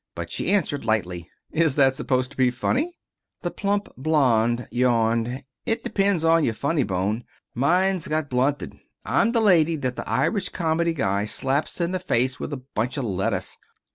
But she answered lightly: "Is that supposed to be funny?" The plump blonde yawned. "It depends on your funny bone. Mine's got blunted. I'm the lady that the Irish comedy guy slaps in the face with a bunch of lettuce.